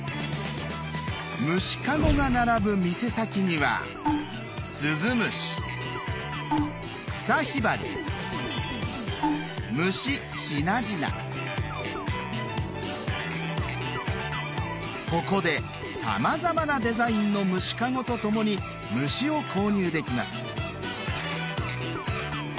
虫かごが並ぶ店先にはここでさまざまなデザインの虫かごと共に虫を購入できます。